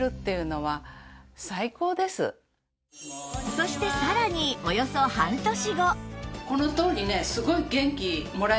そしてさらにおよそ半年後